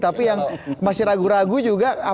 tapi yang masih ragu ragu juga